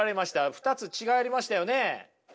２つ違いありましたよね。